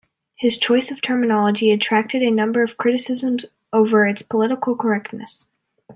His choice of terminology attracted a number of criticisms over its political correctness.